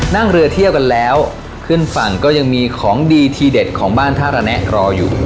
นั่งเรือเที่ยวกันแล้วขึ้นฝั่งก็ยังมีของดีทีเด็ดของบ้านท่าระแนะรออยู่